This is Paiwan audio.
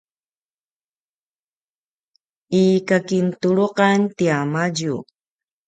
i kakintuluqan tiamadju